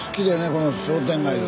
この商店街が。